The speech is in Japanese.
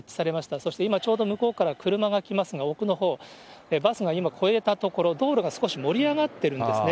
そして今、ちょうど向こうから車が来ますが、奥のほう、バスが今、越えた所、道路が少し盛り上がってるんですね。